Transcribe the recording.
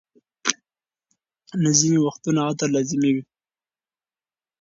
نه، ځینې وختونه عطر لازمي وي.